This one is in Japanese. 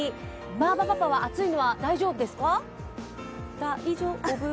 バーバパパは暑いのは大丈夫ですか？